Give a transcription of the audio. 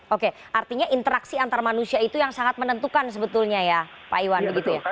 oke artinya interaksi antar manusia itu yang sangat menentukan sebetulnya ya pak iwan begitu ya